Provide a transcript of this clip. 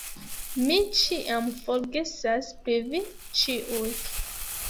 Mi ĉiam forgesas pri vi ĉiuj